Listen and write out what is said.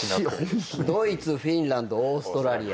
ドイツフィンランドオーストラリア。